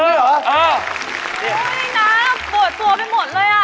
อยู่นี่นะโปรดตัวไปหมดเลย